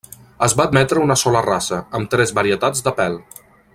Es va admetre una sola raça, amb tres varietats de pèl.